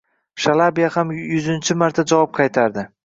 Shalabiya ham yuzinchi marta javob qaytardi